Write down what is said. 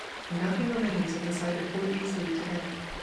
Nothing remains at the site of Fort Easley today.